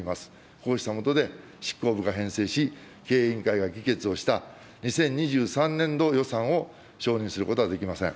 こうした下で、執行部が編成し、経営委員会が議決をした、２０２３年度予算を承認することはできません。